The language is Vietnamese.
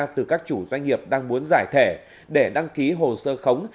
từ các chủ doanh nghiệp đang muốn giải thể để đăng ký hồ sơ khống